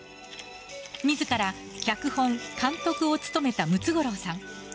自ら脚本、監督を務めたムツゴロウさん。